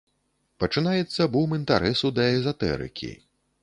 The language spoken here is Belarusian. Пачынаецца бум інтарэсу да эзатэрыкі.